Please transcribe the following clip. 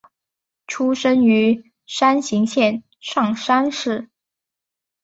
出身于山形县上山市。